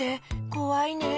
こわいねえ。